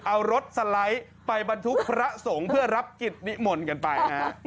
เอารถสไลด์ไปบรรทุกพระสงฆ์เพื่อรับกิจนิมนต์กันไปนะฮะ